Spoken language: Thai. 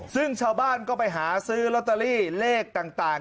ซึ่งชาวบ้านก็ไปหาซื้อลอตเตอรี่เลขต่าง